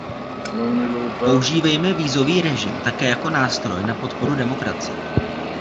Používejme vízový režim také jako nástroj na podporu demokracie.